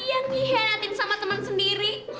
yang dihenti sama teman sendiri